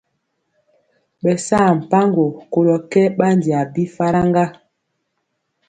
Ɓɛ saa mpaŋgo kolɔ kɛ ɓandi a bi faraŋga.